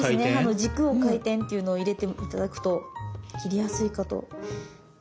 軸を回転っていうのを入れて頂くと切りやすいかと。